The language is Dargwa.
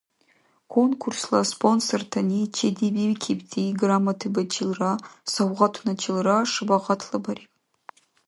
Конкурсла спонсортани чедибикибти грамотабачилра савгъатуначилра шабагъатлабариб.